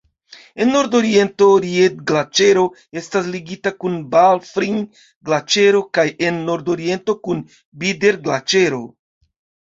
En nordoriento Ried-Glaĉero Estas ligita kun Balfrin-Glaĉero kaj en nordoriento kun Bider-Glaĉero.